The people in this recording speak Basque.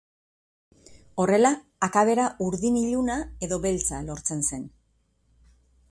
Horrela akabera urdin iluna edo beltza lortzen zen.